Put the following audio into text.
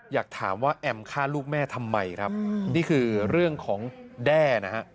อยากถามว่าแอมฆ่าลูกแม่ทำไมครับนี่คือเรื่องของแด้นะฮะ